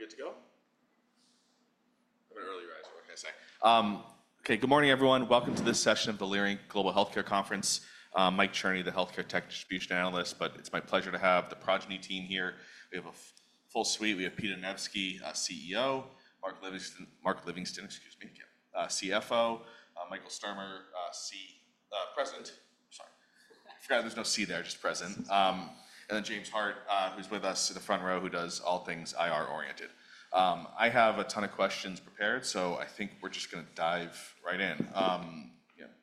Are we good to go? I'm an early riser, what can I say? Okay, good morning, everyone. Welcome to this session of the Leerink Global Healthcare Conference. I'm Mike Cherny, the Healthcare Tech Distribution Analyst, but it's my pleasure to have the Progyny team here. We have a full suite. We have Peter Anevski, CEO; Mark Livingston, excuse me, CFO; Michael Sturmer, President. Sorry, I forgot there's no C there, just President. And then James Hart, who's with us in the front row, who does all things IR-oriented. I have a ton of questions prepared, so I think we're just going to dive right in.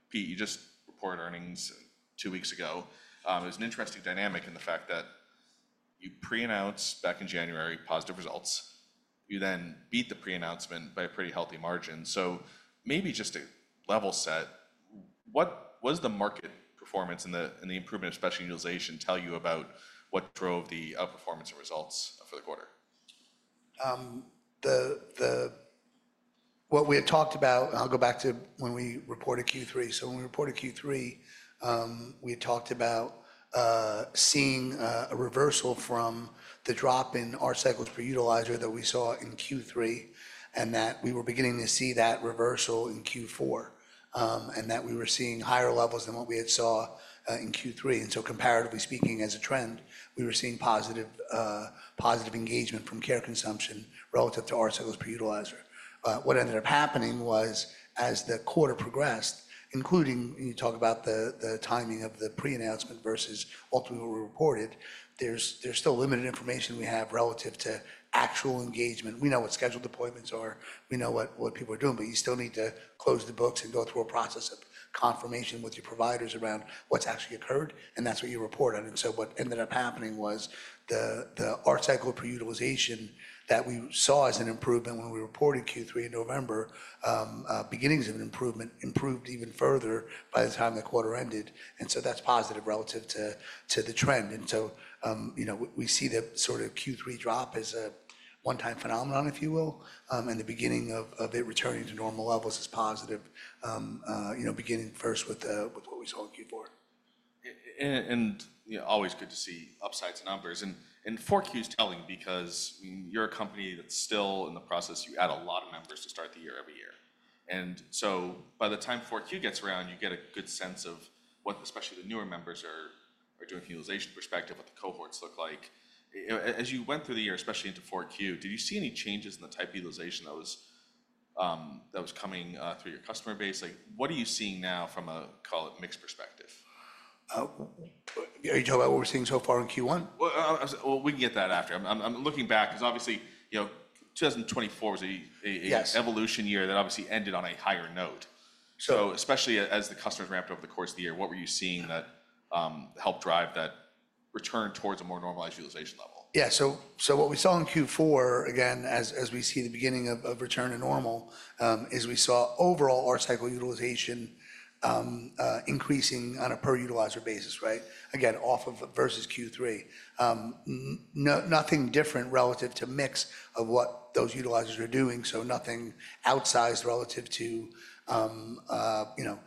Pete, you just reported earnings two weeks ago. It was an interesting dynamic in the fact that you pre-announced back in January positive results. You then beat the pre-announcement by a pretty healthy margin. Maybe just to level set, what does the market performance and the improvement of special utilization tell you about what drove the outperformance and results for the quarter? What we had talked about, and I'll go back to when we reported Q3. When we reported Q3, we had talked about seeing a reversal from the drop in our cycles per utilizer that we saw in Q3, and that we were beginning to see that reversal in Q4, and that we were seeing higher levels than what we had seen in Q3. Comparatively speaking, as a trend, we were seeing positive engagement from care consumption relative to our cycles per utilizer. What ended up happening was, as the quarter progressed, including you talk about the timing of the pre-announcement versus what we reported, there's still limited information we have relative to actual engagement. We know what scheduled appointments are. We know what people are doing, but you still need to close the books and go through a process of confirmation with your providers around what's actually occurred, and that's what you report on. What ended up happening was the ART cycle pre-utilization that we saw as an improvement when we reported Q3 in November, beginnings of an improvement, improved even further by the time the quarter ended. That is positive relative to the trend. We see the sort of Q3 drop as a one-time phenomenon, if you will, and the beginning of it returning to normal levels is positive, beginning first with what we saw in Q4. It is always good to see upsides in numbers. Q4 is telling because you're a company that's still in the process. You add a lot of members to start the year every year. By the time Q4 gets around, you get a good sense of what especially the newer members are doing from a utilization perspective, what the cohorts look like. As you went through the year, especially into Q4, did you see any changes in the type of utilization that was coming through your customer base? What are you seeing now from a mixed perspective? Are you talking about what we're seeing so far in Q1? We can get that after. I'm looking back because obviously 2024 was an evolution year that obviously ended on a higher note. Especially as the customers ramped over the course of the year, what were you seeing that helped drive that return towards a more normalized utilization level? Yeah, so what we saw in Q4, again, as we see the beginning of return to normal, is we saw overall ART cycle utilization increasing on a per utilizer basis, right? Again, off of versus Q3. Nothing different relative to mix of what those utilizers are doing, so nothing outsized relative to freeze-off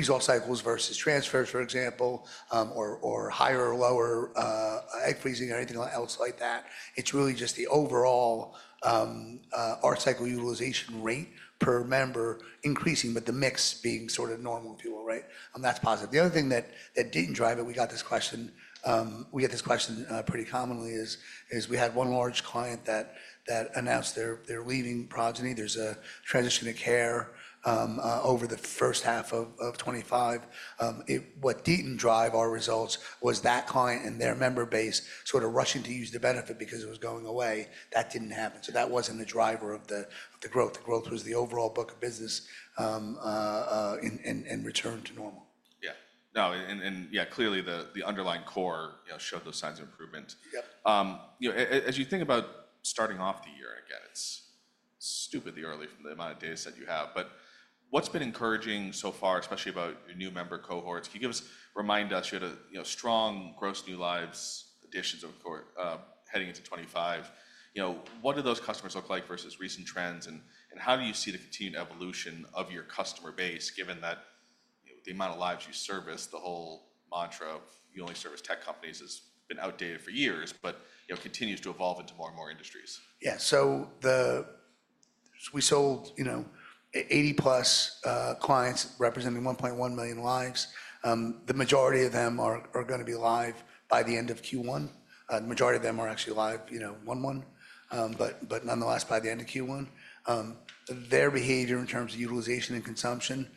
cycles versus transfers, for example, or higher or lower egg freezing or anything else like that. It's really just the overall ART cycle utilization rate per member increasing, but the mix being sort of normal, if you will, right? And that's positive. The other thing that didn't drive it, we got this question. We get this question pretty commonly, is we had one large client that announced their leaving Progyny. There's a transition to care over the first half of 2025. What did not drive our results was that client and their member base sort of rushing to use the benefit because it was going away. That did not happen. That was not the driver of the growth. The growth was the overall book of business and return to normal. Yeah. No, and yeah, clearly the underlying core showed those signs of improvement. As you think about starting off the year, again, it's stupidly early from the amount of data set you have, but what's been encouraging so far, especially about your new member cohorts? Can you remind us you had a strong gross new lives additions of heading into 2025? What do those customers look like versus recent trends, and how do you see the continued evolution of your customer base, given that the amount of lives you service, the whole mantra of you only service tech companies has been outdated for years, but continues to evolve into more and more industries? Yeah, so we sold 80-plus clients representing 1.1 million lives. The majority of them are going to be live by the end of Q1. The majority of them are actually live in Q1, but nonetheless, by the end of Q1. Their behavior in terms of utilization and consumption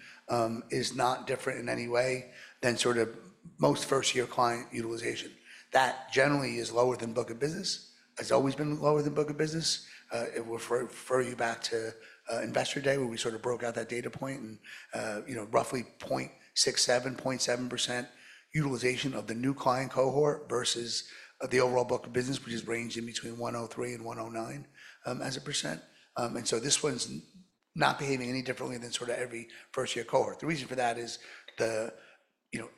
is not different in any way than sort of most first-year client utilization. That generally is lower than book of business. It's always been lower than book of business. I will refer you back to investor day where we sort of broke out that data point and roughly 0.67, 0.7% utilization of the new client cohort versus the overall book of business, which is ranging between 1.03% and 1.09%. This one's not behaving any differently than sort of every first-year cohort. The reason for that is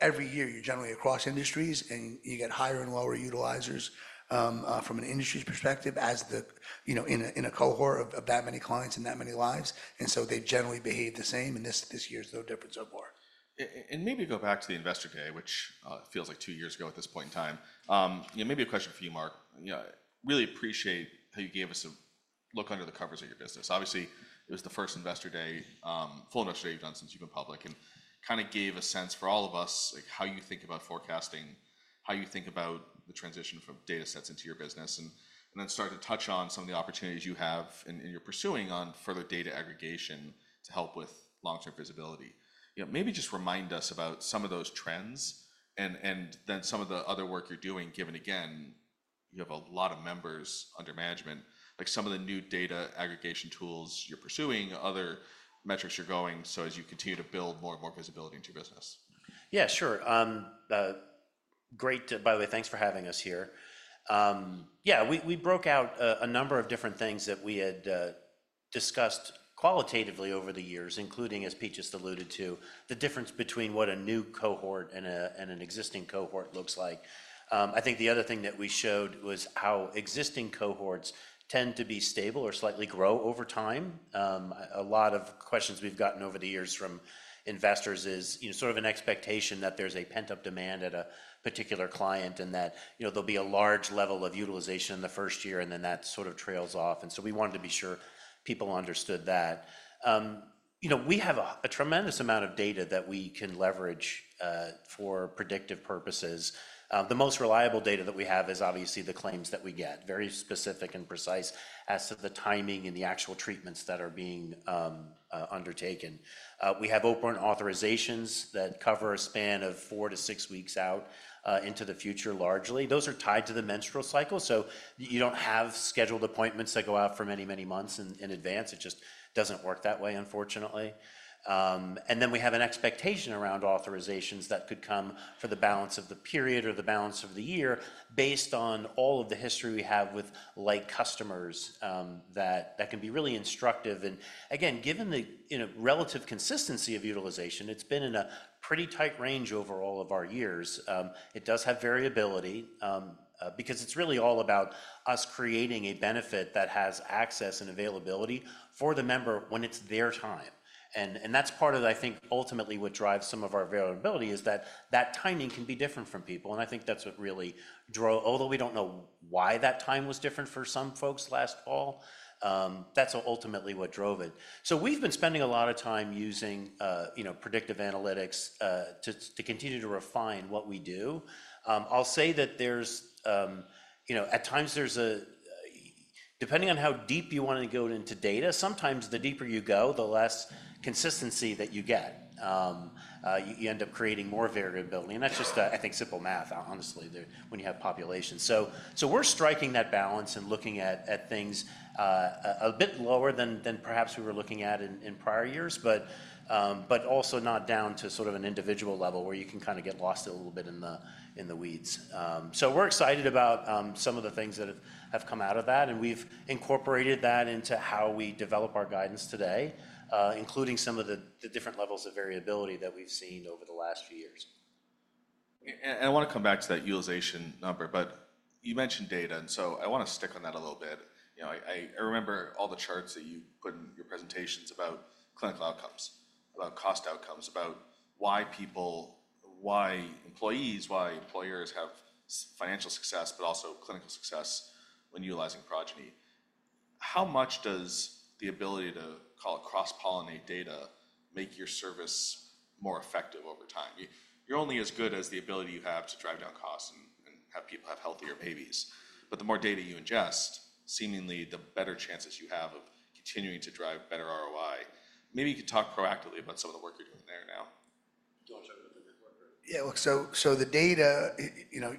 every year you're generally across industries and you get higher and lower utilizers from an industry's perspective in a cohort of that many clients and that many lives. They generally behave the same, and this year's no difference so far. Maybe go back to the investor day, which feels like two years ago at this point in time. Maybe a question for you, Mark. Really appreciate how you gave us a look under the covers of your business. Obviously, it was the first investor day, full investor day you've done since you've been public, and kind of gave a sense for all of us how you think about forecasting, how you think about the transition from data sets into your business, and then started to touch on some of the opportunities you have and you're pursuing on further data aggregation to help with long-term visibility. Maybe just remind us about some of those trends and then some of the other work you're doing, given again, you have a lot of members under management, like some of the new data aggregation tools you're pursuing, other metrics you're going, so as you continue to build more and more visibility into your business. Yeah, sure. Great. By the way, thanks for having us here. Yeah, we broke out a number of different things that we had discussed qualitatively over the years, including, as Pete just alluded to, the difference between what a new cohort and an existing cohort looks like. I think the other thing that we showed was how existing cohorts tend to be stable or slightly grow over time. A lot of questions we've gotten over the years from investors is sort of an expectation that there's a pent-up demand at a particular client and that there'll be a large level of utilization in the first year, and that sort of trails off. We wanted to be sure people understood that. We have a tremendous amount of data that we can leverage for predictive purposes. The most reliable data that we have is obviously the claims that we get, very specific and precise as to the timing and the actual treatments that are being undertaken. We have open authorizations that cover a span of four to six weeks out into the future largely. Those are tied to the menstrual cycle, so you do not have scheduled appointments that go out for many, many months in advance. It just does not work that way, unfortunately. We have an expectation around authorizations that could come for the balance of the period or the balance of the year based on all of the history we have with like customers that can be really instructive. Again, given the relative consistency of utilization, it has been in a pretty tight range over all of our years. It does have variability because it's really all about us creating a benefit that has access and availability for the member when it's their time. That's part of, I think, ultimately what drives some of our availability is that that timing can be different for people. I think that's what really drove, although we don't know why that time was different for some folks last fall, that's ultimately what drove it. We've been spending a lot of time using predictive analytics to continue to refine what we do. I'll say that at times there's a, depending on how deep you want to go into data, sometimes the deeper you go, the less consistency that you get. You end up creating more variability. That's just, I think, simple math, honestly, when you have populations. We're striking that balance and looking at things a bit lower than perhaps we were looking at in prior years, but also not down to sort of an individual level where you can kind of get lost a little bit in the weeds. We're excited about some of the things that have come out of that, and we've incorporated that into how we develop our guidance today, including some of the different levels of variability that we've seen over the last few years. I want to come back to that utilization number, but you mentioned data, and I want to stick on that a little bit. I remember all the charts that you put in your presentations about clinical outcomes, about cost outcomes, about why employees, why employers have financial success, but also clinical success when utilizing Progyny. How much does the ability to call it cross-pollinate data make your service more effective over time? You're only as good as the ability you have to drive down costs and have people have healthier babies. The more data you ingest, seemingly the better chances you have of continuing to drive better ROI. Maybe you could talk proactively about some of the work you're doing there now. Yeah, so the data,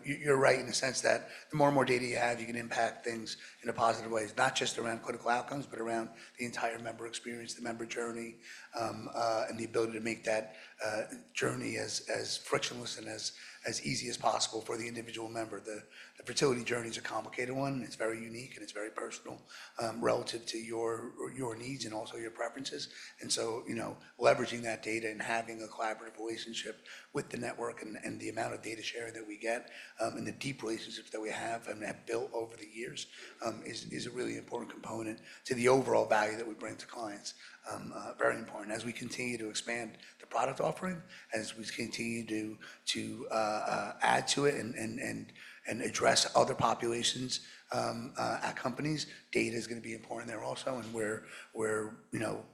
you're right in the sense that the more and more data you have, you can impact things in a positive way, not just around clinical outcomes, but around the entire member experience, the member journey, and the ability to make that journey as frictionless and as easy as possible for the individual member. The fertility journey is a complicated one. It's very unique and it's very personal relative to your needs and also your preferences. Leveraging that data and having a collaborative relationship with the network and the amount of data sharing that we get and the deep relationships that we have and have built over the years is a really important component to the overall value that we bring to clients. Very important as we continue to expand the product offering, as we continue to add to it and address other populations at companies, data is going to be important there also, and we're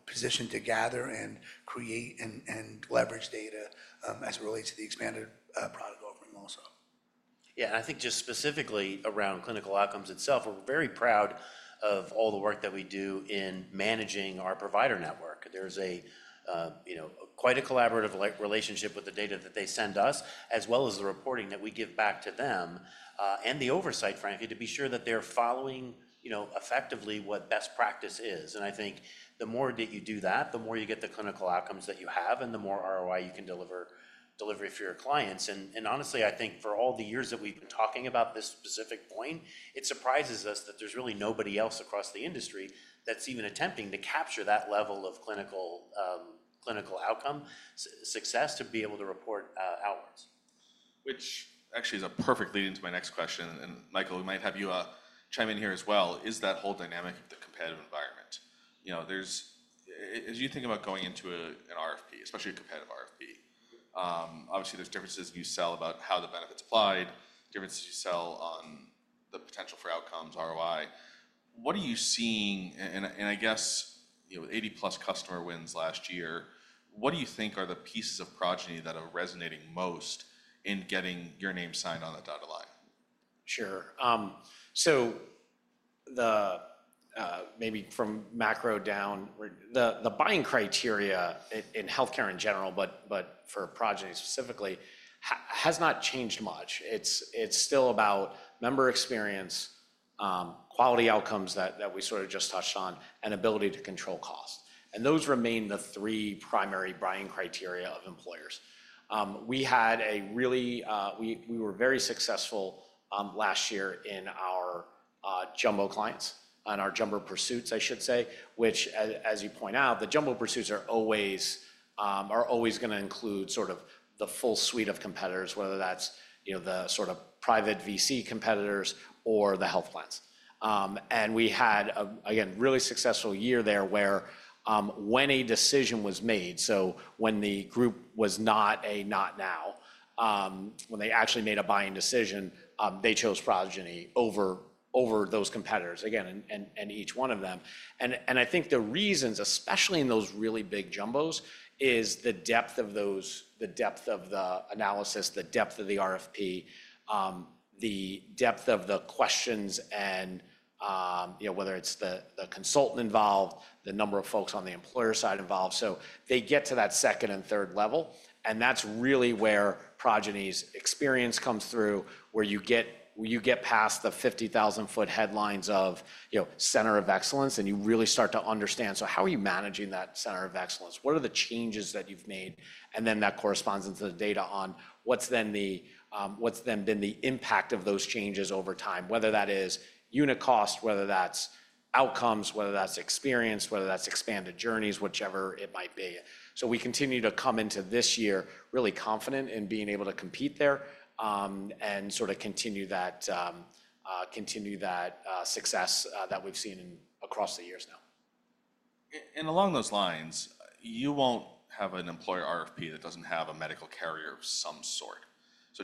positioned to gather and create and leverage data as it relates to the expanded product offering also. Yeah, and I think just specifically around clinical outcomes itself, we're very proud of all the work that we do in managing our provider network. There's quite a collaborative relationship with the data that they send us, as well as the reporting that we give back to them and the oversight, frankly, to be sure that they're following effectively what best practice is. I think the more that you do that, the more you get the clinical outcomes that you have and the more ROI you can deliver for your clients. Honestly, I think for all the years that we've been talking about this specific point, it surprises us that there's really nobody else across the industry that's even attempting to capture that level of clinical outcome success to be able to report outwards. Which actually is a perfect lead into my next question. Michael, we might have you chime in here as well. Is that whole dynamic of the competitive environment? As you think about going into an RFP, especially a competitive RFP, obviously there are differences if you sell about how the benefits are applied, differences you sell on the potential for outcomes, ROI. What are you seeing? I guess with 80-plus customer wins last year, what do you think are the pieces of Progyny that are resonating most in getting your name signed on that dotted line? Sure. Maybe from macro down, the buying criteria in healthcare in general, but for Progyny specifically, has not changed much. It is still about member experience, quality outcomes that we sort of just touched on, and ability to control cost. Those remain the three primary buying criteria of employers. We were very successful last year in our jumbo clients and our jumbo pursuits, I should say, which, as you point out, the jumbo pursuits are always going to include sort of the full suite of competitors, whether that is the sort of private VC competitors or the health plans. We had, again, a really successful year there where when a decision was made, so when the group was not a not now, when they actually made a buying decision, they chose Progyny over those competitors, again, and each one of them. I think the reasons, especially in those really big jumbos, is the depth of the analysis, the depth of the RFP, the depth of the questions, and whether it's the consultant involved, the number of folks on the employer side involved. They get to that second and third level, and that's really where Progyny's experience comes through, where you get past the 50,000-foot headlines of center of excellence, and you really start to understand, so how are you managing that center of excellence? What are the changes that you've made? That corresponds into the data on what's then been the impact of those changes over time, whether that is unit cost, whether that's outcomes, whether that's experience, whether that's expanded journeys, whichever it might be. We continue to come into this year really confident in being able to compete there and sort of continue that success that we've seen across the years now. Along those lines, you won't have an employer RFP that doesn't have a medical carrier of some sort.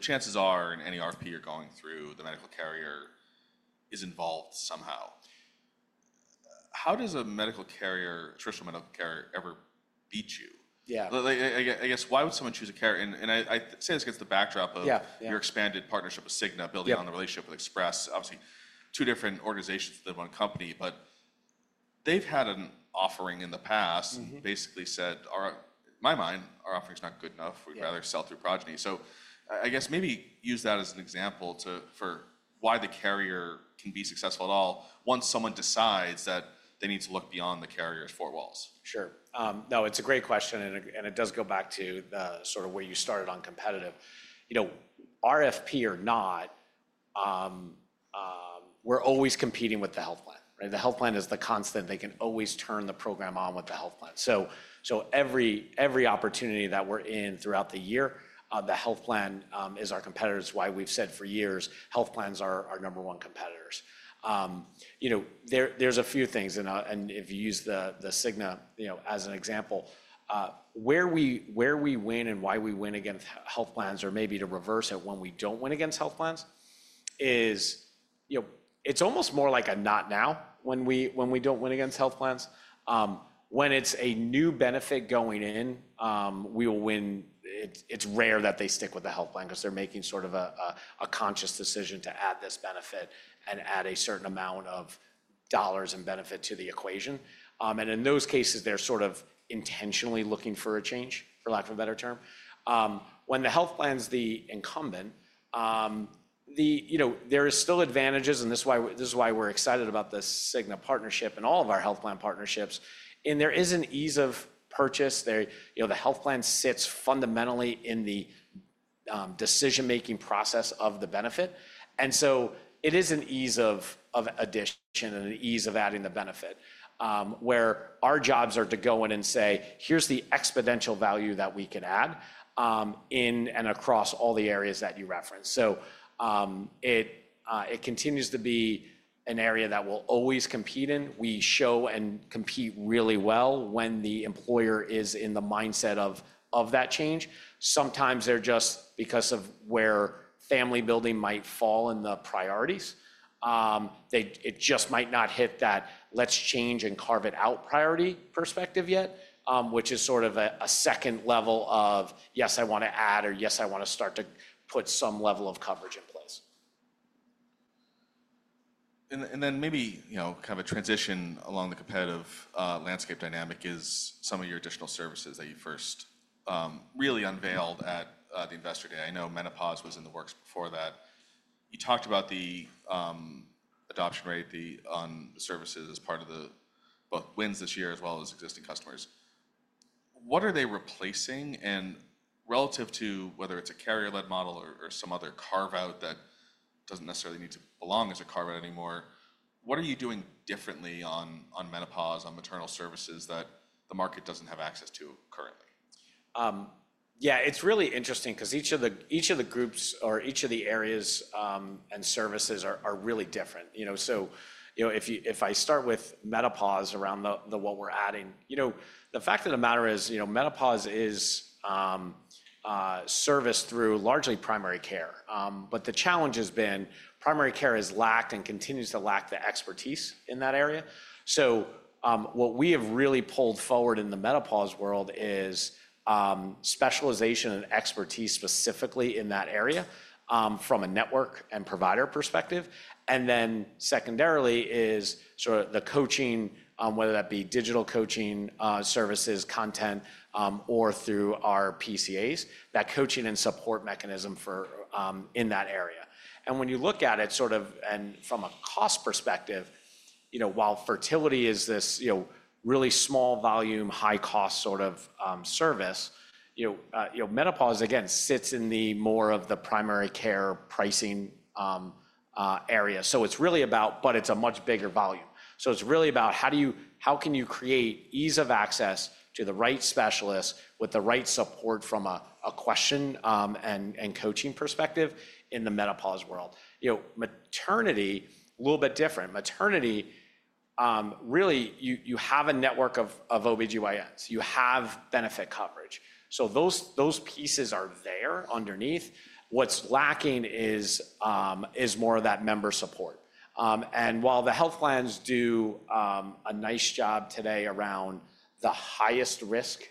Chances are in any RFP you're going through, the medical carrier is involved somehow. How does a medical carrier, a traditional medical carrier, ever beat you? I guess why would someone choose a carrier? I say this against the backdrop of your expanded partnership with Cigna, building on the relationship with Express Scripts, obviously two different organizations within one company, but they've had an offering in the past and basically said, in my mind, our offering's not good enough. We'd rather sell through Progyny. I guess maybe use that as an example for why the carrier can be successful at all once someone decides that they need to look beyond the carrier's four walls. Sure. No, it's a great question, and it does go back to sort of where you started on competitive. RFP or not, we're always competing with the health plan. The health plan is the constant. They can always turn the program on with the health plan. Every opportunity that we're in throughout the year, the health plan is our competitor, is why we've said for years, health plans are our number one competitors. There's a few things, and if you use the Cigna as an example, where we win and why we win against health plans or maybe to reverse it when we don't win against health plans is it's almost more like a not now when we don't win against health plans. When it's a new benefit going in, we will win. It's rare that they stick with the health plan because they're making sort of a conscious decision to add this benefit and add a certain amount of dollars and benefit to the equation. In those cases, they're sort of intentionally looking for a change, for lack of a better term. When the health plan's the incumbent, there are still advantages, and this is why we're excited about the Cigna partnership and all of our health plan partnerships. There is an ease of purchase. The health plan sits fundamentally in the decision-making process of the benefit. It is an ease of addition and an ease of adding the benefit where our jobs are to go in and say, here's the exponential value that we can add in and across all the areas that you referenced. It continues to be an area that we'll always compete in. We show and compete really well when the employer is in the mindset of that change. Sometimes they're just because of where family building might fall in the priorities. It just might not hit that let's change and carve it out priority perspective yet, which is sort of a second level of, yes, I want to add or yes, I want to start to put some level of coverage in place. Maybe kind of a transition along the competitive landscape dynamic is some of your additional services that you first really unveiled at the Investor Day. I know menopause was in the works before that. You talked about the adoption rate on services as part of both wins this year as well as existing customers. What are they replacing? Relative to whether it's a carrier-led model or some other carve-out that doesn't necessarily need to belong as a carve-out anymore, what are you doing differently on menopause, on maternal services that the market doesn't have access to currently? Yeah, it's really interesting because each of the groups or each of the areas and services are really different. If I start with menopause around what we're adding, the fact of the matter is menopause is serviced through largely primary care. The challenge has been primary care has lacked and continues to lack the expertise in that area. What we have really pulled forward in the menopause world is specialization and expertise specifically in that area from a network and provider perspective. Secondarily is sort of the coaching, whether that be digital coaching services, content, or through our PCAs, that coaching and support mechanism in that area. When you look at it sort of from a cost perspective, while fertility is this really small volume, high-cost sort of service, menopause, again, sits in more of the primary care pricing area. It's really about - but it's a much bigger volume - it's really about how can you create ease of access to the right specialists with the right support from a question and coaching perspective in the menopause world. Maternity is a little bit different. Maternity, really, you have a network of OB-GYNs. You have benefit coverage. Those pieces are there underneath. What's lacking is more of that member support. While the health plans do a nice job today around the highest-risk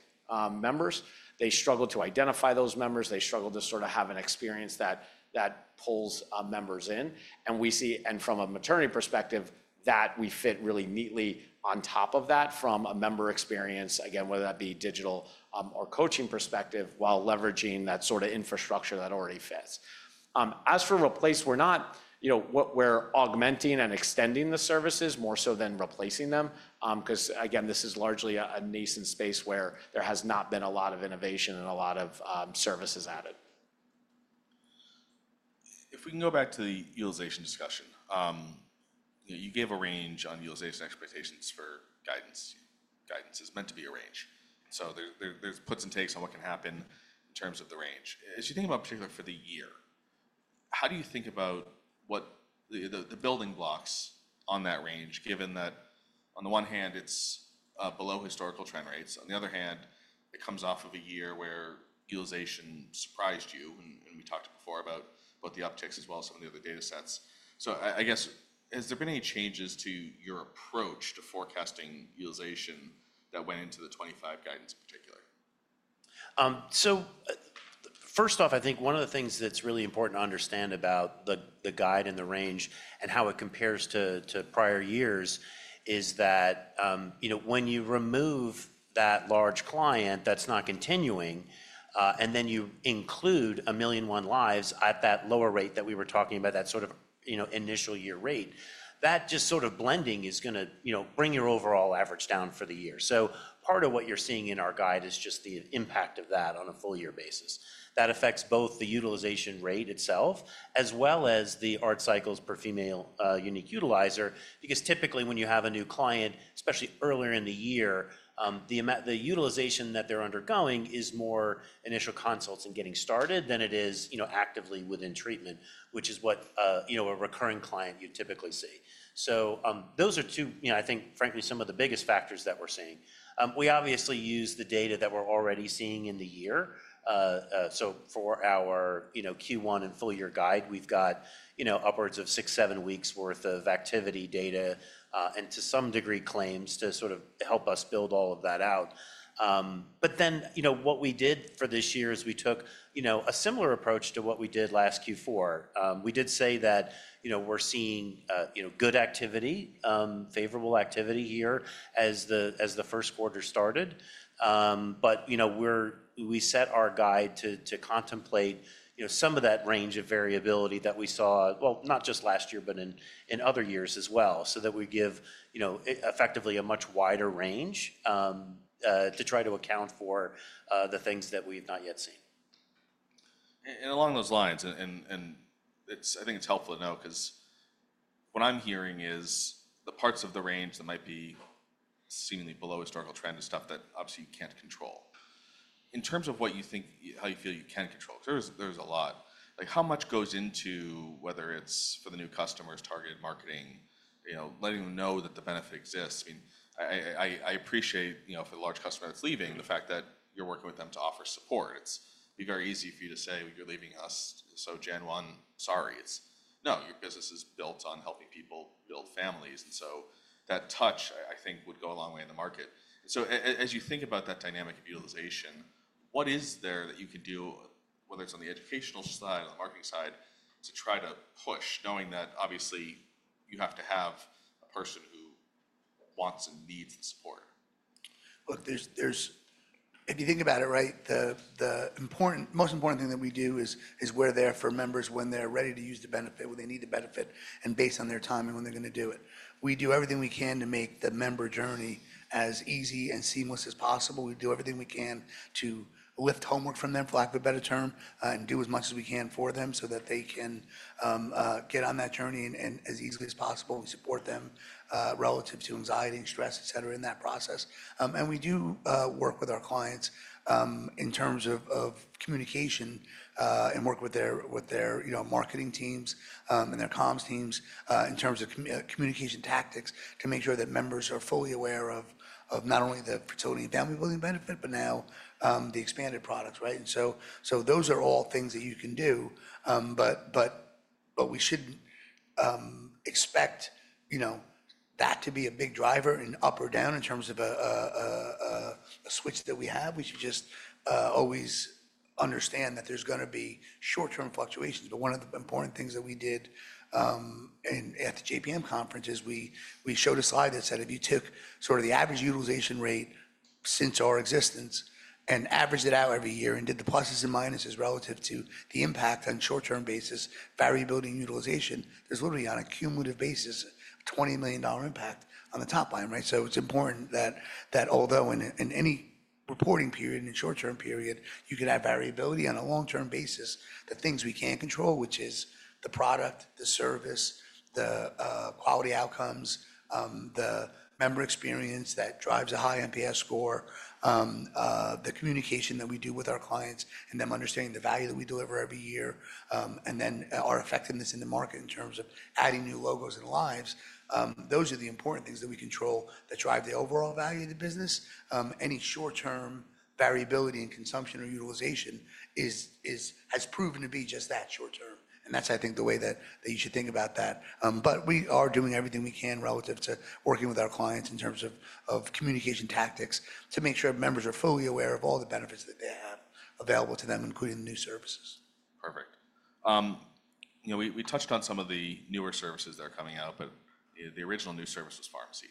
members, they struggle to identify those members. They struggle to sort of have an experience that pulls members in. From a maternity perspective, we fit really neatly on top of that from a member experience - again, whether that be digital or coaching perspective - while leveraging that sort of infrastructure that already fits. As for replace, we're not, we're augmenting and extending the services more so than replacing them because, again, this is largely a nascent space where there has not been a lot of innovation and a lot of services added. If we can go back to the utilization discussion, you gave a range on utilization expectations for guidance. Guidance is meant to be a range. There are puts and takes on what can happen in terms of the range. As you think about particularly for the year, how do you think about the building blocks on that range, given that on the one hand, it is below historical trend rates. On the other hand, it comes off of a year where utilization surprised you. We talked before about both the upticks as well as some of the other datasets. I guess, has there been any changes to your approach to forecasting utilization that went into the 2025 guidance in particular? First off, I think one of the things that's really important to understand about the guide and the range and how it compares to prior years is that when you remove that large client that's not continuing and then you include 1.1 million lives at that lower rate that we were talking about, that sort of initial-year rate, that just sort of blending is going to bring your overall average down for the year. Part of what you're seeing in our guide is just the impact of that on a full-year basis. That affects both the utilization rate itself as well as the ART cycles per female unique utilizer because typically when you have a new client, especially earlier in the year, the utilization that they're undergoing is more initial consults and getting started than it is actively within treatment, which is what a recurring client you typically see. Those are two, I think, frankly, some of the biggest factors that we're seeing. We obviously use the data that we're already seeing in the year. For our Q1 and full-year guide, we've got upwards of six-seven weeks' worth of activity data and to some degree claims to sort of help us build all of that out. What we did for this year is we took a similar approach to what we did last Q4. We did say that we're seeing good activity, favorable activity here as the first quarter started. We set our guide to contemplate some of that range of variability that we saw, not just last year, but in other years as well so that we give effectively a much wider range to try to account for the things that we've not yet seen. Along those lines, and I think it's helpful to know because what I'm hearing is the parts of the range that might be seemingly below historical trend is stuff that obviously you can't control. In terms of how you feel you can control, there's a lot. How much goes into whether it's for the new customers, targeted marketing, letting them know that the benefit exists? I mean, I appreciate for the large customer that's leaving, the fact that you're working with them to offer support. It's very easy for you to say, "You're leaving us, so January 1, sorry." It's, "No, your business is built on helping people build families." That touch, I think, would go a long way in the market. As you think about that dynamic of utilization, what is there that you can do, whether it's on the educational side, on the marketing side, to try to push knowing that obviously you have to have a person who wants and needs the support? Look, if you think about it, right, the most important thing that we do is we're there for members when they're ready to use the benefit, when they need the benefit, and based on their time and when they're going to do it. We do everything we can to make the member journey as easy and seamless as possible. We do everything we can to lift homework from them, for lack of a better term, and do as much as we can for them so that they can get on that journey as easily as possible. We support them relative to anxiety and stress, etc., in that process. We do work with our clients in terms of communication and work with their marketing teams and their comms teams in terms of communication tactics to make sure that members are fully aware of not only the fertility and family-building benefit, but now the expanded products, right? Those are all things that you can do, but we shouldn't expect that to be a big driver and up or down in terms of a switch that we have. We should just always understand that there's going to be short-term fluctuations. One of the important things that we did at the JPMorgan conference is we showed a slide that said if you took sort of the average utilization rate since our existence and averaged it out every year and did the pluses and minuses relative to the impact on a short-term basis, variability in utilization, there is literally on a cumulative basis, $20 million impact on the top line, right? It is important that although in any reporting period, in a short-term period, you can have variability, on a long-term basis, the things we can control, which is the product, the service, the quality outcomes, the member experience that drives a high NPS score, the communication that we do with our clients and them understanding the value that we deliver every year, and then our effectiveness in the market in terms of adding new logos and lives, those are the important things that we control that drive the overall value of the business. Any short-term variability in consumption or utilization has proven to be just that, short-term. That is, I think, the way that you should think about that. We are doing everything we can relative to working with our clients in terms of communication tactics to make sure members are fully aware of all the benefits that they have available to them, including the new services. Perfect. We touched on some of the newer services that are coming out, but the original new service was pharmacy.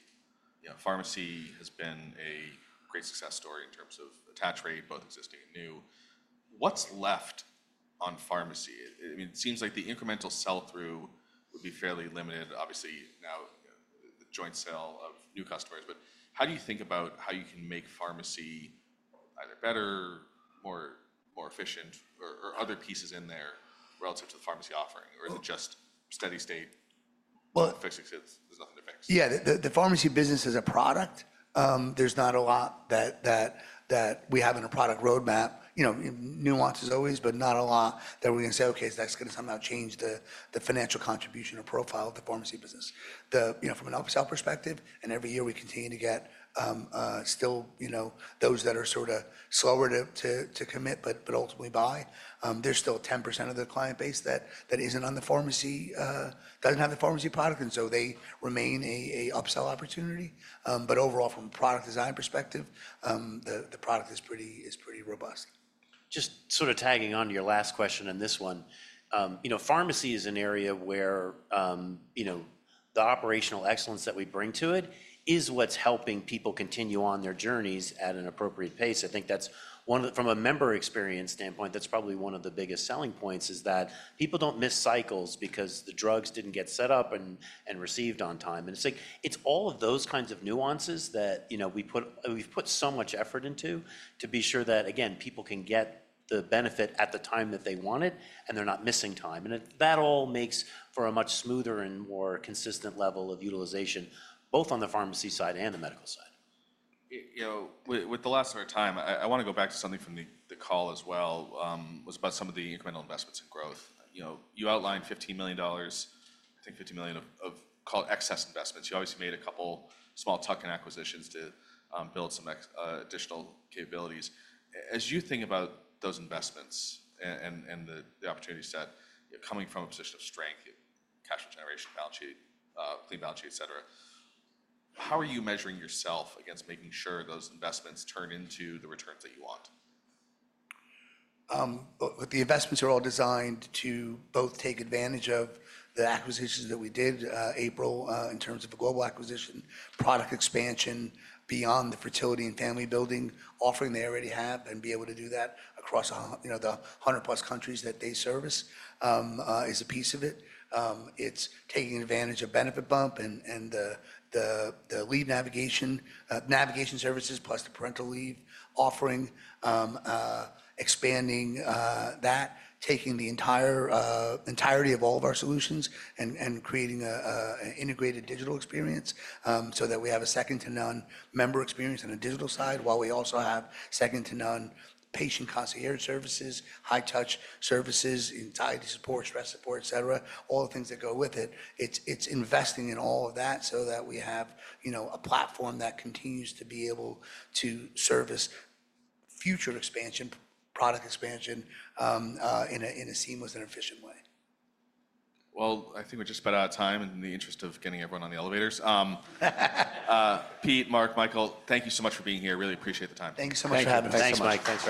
Pharmacy has been a great success story in terms of attach rate, both existing and new. What's left on pharmacy? I mean, it seems like the incremental sell-through would be fairly limited, obviously now the joint sale of new customers. How do you think about how you can make pharmacy either better, more efficient, or other pieces in there relative to the pharmacy offering? Is it just steady state? There's nothing to fix. Yeah, the pharmacy business as a product, there's not a lot that we have in a product roadmap. Nuances always, but not a lot that we're going to say, "Okay, is that going to somehow change the financial contribution or profile of the pharmacy business?" From an upsell perspective, every year we continue to get still those that are sort of slower to commit, but ultimately buy. There's still 10% of the client base that isn't on the pharmacy, doesn't have the pharmacy product, and so they remain an upsell opportunity. Overall, from a product design perspective, the product is pretty robust. Just sort of tagging on to your last question and this one, pharmacy is an area where the operational excellence that we bring to it is what's helping people continue on their journeys at an appropriate pace. I think that's from a member experience standpoint, that's probably one of the biggest selling points is that people don't miss cycles because the drugs didn't get set up and received on time. It is all of those kinds of nuances that we've put so much effort into to be sure that, again, people can get the benefit at the time that they want it and they're not missing time. That all makes for a much smoother and more consistent level of utilization, both on the pharmacy side and the medical side. With the last of our time, I want to go back to something from the call as well. It was about some of the incremental investments and growth. You outlined $15 million, I think $50 million of excess investments. You obviously made a couple small tuck-in acquisitions to build some additional capabilities. As you think about those investments and the opportunity set coming from a position of strength, cash flow generation, balance sheet, clean balance sheet, etc., how are you measuring yourself against making sure those investments turn into the returns that you want? The investments are all designed to both take advantage of the acquisitions that we did Apryl in terms of a global acquisition, product expansion beyond the fertility and family-building, offering they already have and be able to do that across the 100-plus countries that they service is a piece of it. It's taking advantage of BenefitBump and the lead navigation services plus the parental leave offering, expanding that, taking the entirety of all of our solutions and creating an integrated digital experience so that we have a second-to-none member experience on a digital side while we also have second-to-none patient concierge services, high-touch services, anxiety support, stress support, etc., all the things that go with it. It's investing in all of that so that we have a platform that continues to be able to service future expansion, product expansion in a seamless and efficient way. I think we just spent our time in the interest of getting everyone on the elevators. Pete, Mark, Michael, thank you so much for being here. Really appreciate the time. Thank you so much for having us. Thanks, Mike.